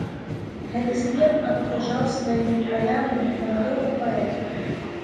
Гэты свет абкружаў сваімі праявамі маладога паэта.